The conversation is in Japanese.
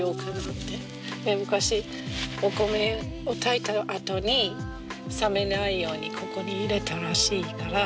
で昔お米を炊いたあとに冷めないようにここに入れたらしいから。